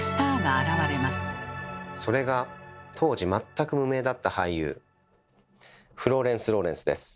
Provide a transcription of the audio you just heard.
それが当時全く無名だった俳優フローレンス・ローレンスです。